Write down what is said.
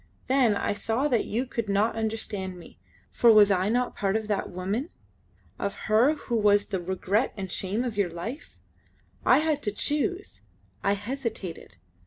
Then I saw that you could not understand me; for was I not part of that woman? Of her who was the regret and shame of your life? I had to choose I hesitated.